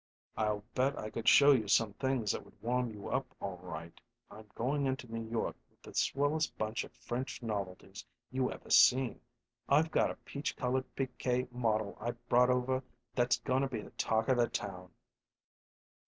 "I'll bet I could show you some things that would warm you up all right. I'm goin' into New York with the swellest bunch of French novelties you ever seen. I've got a peach colored Piquette model I've brought over that's goin' to be the talk of the town."